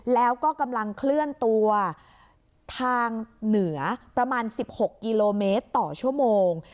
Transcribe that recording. แล้วก็กำลังเคลื่อนตัวทางเหนือประมาณ๑๖กิโลเมตรต่อชั่วโมง